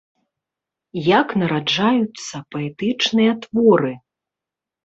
Як нараджаюцца паэтычныя творы?